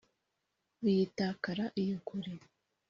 biyitakara iyo kure.